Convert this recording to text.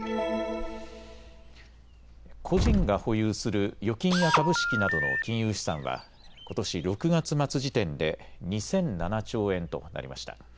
個人が保有する預金や株式などの金融資産はことし６月末時点で２００７兆円となりました。